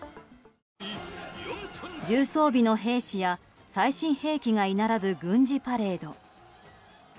重装備の兵士や最新兵器が居並ぶ軍事パレード。